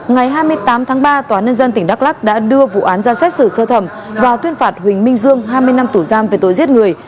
ngày hai mươi tám tháng ba tòa nhân dân tỉnh đắk lắc đã đưa vụ án ra xét xử sơ thẩm và tuyên phạt huỳnh minh dương hai mươi năm tù giam về tội giết người